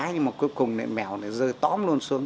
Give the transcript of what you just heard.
nhưng mà cuối cùng lại mèo này rơi tóm luôn xuống